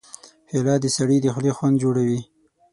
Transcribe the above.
پیاله د سړي د خولې خوند جوړوي.